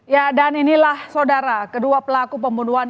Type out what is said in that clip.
ya dan inilah saudara kedua pelaku pembunuhan